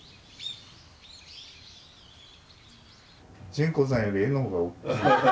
純子さんより絵のほうが大きい。